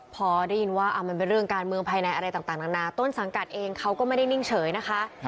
พอได้ยินว่ามันเป็นเรื่องการเมืองภายในอะไรต่างนานาต้นสังกัดเองเขาก็ไม่ได้นิ่งเฉยนะคะ